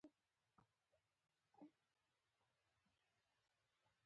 ځینې محصلین د خپلو لیکنو له لارې ځان څرګندوي.